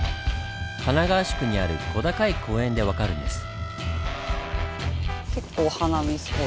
神奈川宿にある小高い公園で分かるんです。